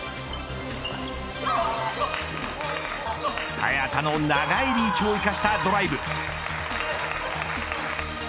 早田の長いリーチを生かしたドライブ。